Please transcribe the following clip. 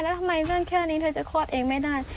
แล้วทำไมเรื่องแค่นี้เธอจะคลอดเองไม่ได้